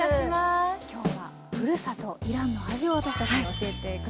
今日はふるさとイランの味を私たちに教えて下さる。